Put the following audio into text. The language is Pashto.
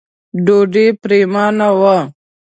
ډوډۍ پرېمانه وه.